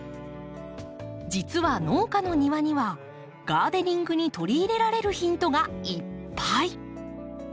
実は農家の庭にはガーデニングに取り入れられるヒントがいっぱい！